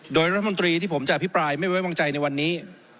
โดยรัฐมนตรีที่ผมจะอภิปรายไม่ไว้วางใจในวันนี้